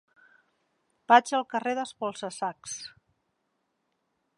Vaig al carrer d'Espolsa-sacs.